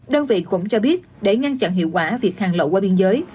đơn vị cũng cho biết để ngăn chặn hiệu quả việc hàng lậu qua biên giới